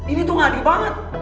ini tuh ngadir banget